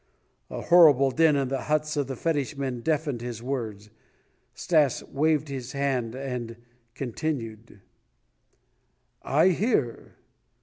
A horrible din in the huts of the fetish men deafened his words. Stas waved his hand and continued: "I hear!